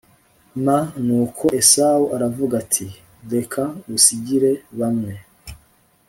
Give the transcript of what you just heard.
m Nuko Esawu aravuga ati reka ngusigire bamwe